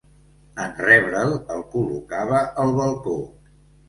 En rebre'l, el col·locava al balcó.